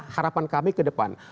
harapan kami ke depan